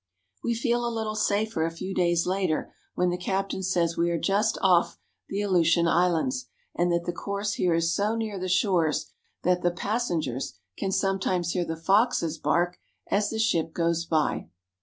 We feel a little safer a few days later when the captain says we are just off the Aleutian Islands, and that the course here is so near the shores that the passengers can sometimes hear the foxes bark as the ship goes by.